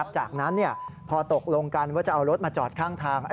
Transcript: จากนั้นพอตกลงกันว่าจะเอารถมาจอดข้างทาง